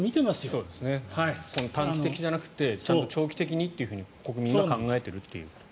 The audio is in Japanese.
短期的じゃなくてちゃんと長期的に国民は考えているという。